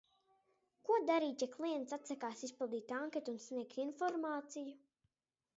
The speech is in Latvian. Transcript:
Ko darīt, ja klients atsakās aizpildīt anketu un sniegt informāciju?